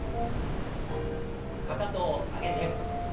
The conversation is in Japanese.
かかとを上げて。